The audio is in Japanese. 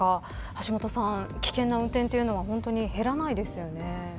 橋下さん、危険な運転というのは本当に減らないですよね。